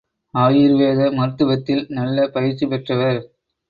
ஆயுர் வேத மருத்துவத்தில் நல்ல பயிற்சி பெற்றவர்.